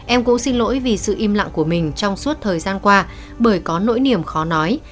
em cũng xin lỗi vì sự im lặng của mình trong suốt thời gian qua bởi có nỗi niềm khó nói